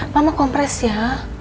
mama kompres ya